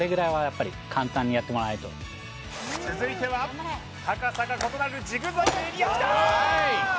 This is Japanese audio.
続いては高さが異なるジグザグエリアきた！